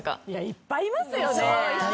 いっぱいいますよね。